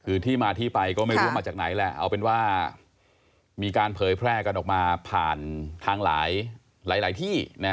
คือที่มาที่ไปก็ไม่รู้ว่ามาจากไหนแหละเอาเป็นว่ามีการเผยแพร่กันออกมาผ่านทางหลายที่